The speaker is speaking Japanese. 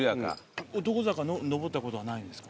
男坂上ったことはないんですか？